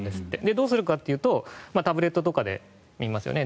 どうするかというとタブレットとかで見ますよね。